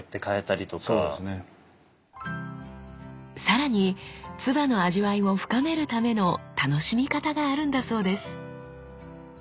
さらに鐔の味わいを深めるための楽しみ方があるんだそうです。